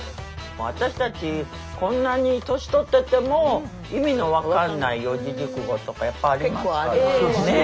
私たちこんなに年取ってても意味の分かんない四字熟語とかやっぱありますから。